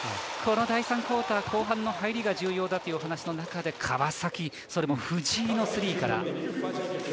この第３クオーター後半の入りが重要だというお話の中で川崎、それも藤井のスリーから。